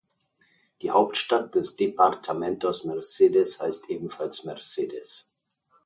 Die Hauptstadt des Departamentos Mercedes heißt ebenfalls Mercedes.